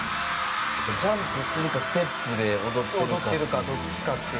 ジャンプするかステップするかで踊ってるかどっちかで。